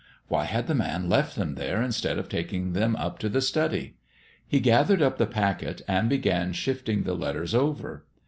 Why had the man left them there instead of taking them up to the study? He gathered up the packet and began shifting the letters over.